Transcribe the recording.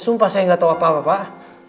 sumpah saya gak tau apa apa pak